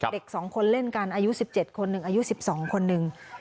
เด็ก๒คนเล่นกันอายุ๑๗คนหนึ่งอายุ๑๒คนหนึ่ง